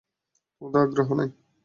তোমাতে আগ্রহ নেই।